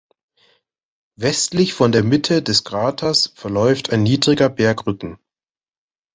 Westlich von der Mitte des Kraters verläuft ein niedriger Bergrücken.